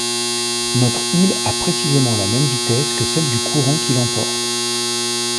Notre île a précisément la même vitesse que celle du courant qui l’emporte.